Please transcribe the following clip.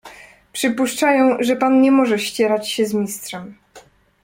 "Przypuszczają, że pan nie może ścierać się z Mistrzem."